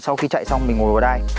sau khi chạy xong mình ngồi vào đai